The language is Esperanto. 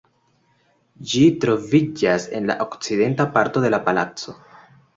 Ĝi troviĝas en la okcidenta parto de la palaco.